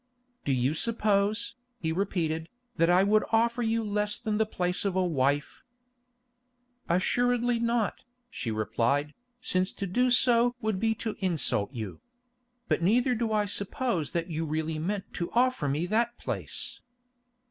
"Do you suppose," he repeated, "that I would offer you less than the place of wife?" "Assuredly not," she replied, "since to do so would be to insult you. But neither do I suppose that you really meant to offer me that place."